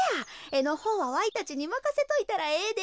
えのほうはわいたちにまかせといたらええで。